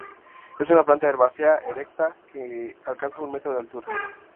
Es una planta herbácea erecta que alcanza un metro de altura.